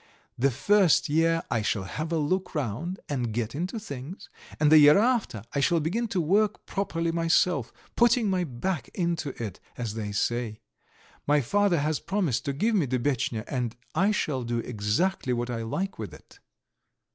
The first year I shall have a look round and get into things, and the year after I shall begin to work properly myself, putting my back into it as they say. My father has promised to give me Dubetchnya and I shall do exactly what I like with it."